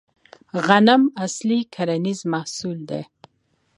غنم اصلي کرنیز محصول دی